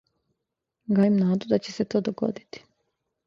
Гајим наду да ће се то догодити.